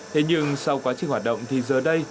thế nhưng sau quá trình hoạt động thì giờ đây